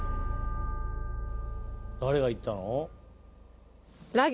誰が行ったの？